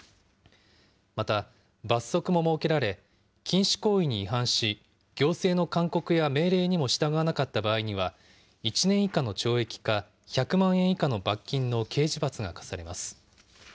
また、罰則も設けられ、禁止行為に違反し、行政の勧告や命令にも従わなかった場合には、１年以下の懲役か１００万円以下の罰金の刑事罰が科されます。